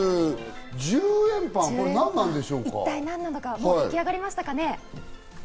一体何なのか、もう出来上がりましたかね。